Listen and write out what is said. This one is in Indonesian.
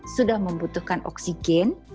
sudah membutuhkan oksigen